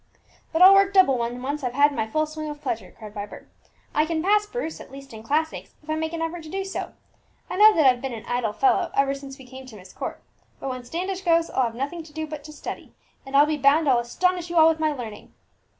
"But I'll work double when once I've had my full swing of pleasure," cried Vibert. "I can pass Bruce, at least in classics, if I make an effort to do so. I know that I've been an idle fellow ever since we came to Myst Court; but when Standish goes I'll have nothing to do but to study, and I'll be bound I'll astonish you all with my learning."